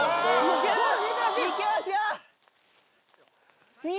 行きますよ！